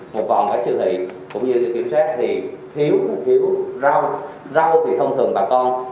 một vòng cái siêu thị cũng như kiểm soát thì thiếu thiếu rau rau thì thông thường bà con